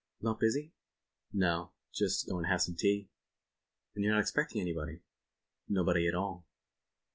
"Not busy?" "No. Just going to have tea." "And you are not expecting anybody?" "Nobody at all."